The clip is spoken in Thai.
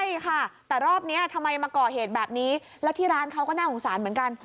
ใช่ค่ะแต่รอบนี้ทำไมมาก่อเหตุแบบนี้แล้วที่ร้านเขาก็น่าสงสารเหมือนกัน